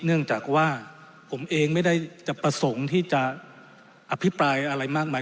เนื่องจากว่าผมเองไม่ได้จะประสงค์ที่จะอภิปรายอะไรมากมาย